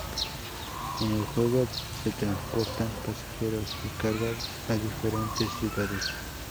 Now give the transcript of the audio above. En el juego se transportan pasajeros y carga a diferentes ciudades.